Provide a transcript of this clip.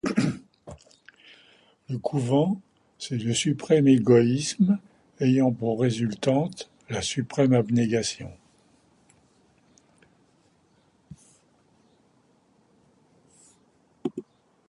Le couvent, c’est le suprême égoïsme ayant pour résultante la suprême abnégation.